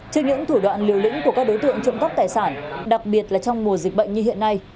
trước những thủ đoạn liều lĩnh của các đối tượng trộm cắp tài sản đặc biệt là trong mùa dịch bệnh như hiện nay